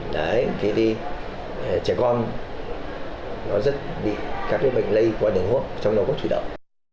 đấy thì trẻ con nó rất bị các bệnh lây qua đường hút trong đó có thủy đậu